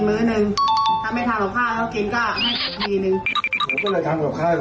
อืมมก๊อคน้ำได้ช่างไฟ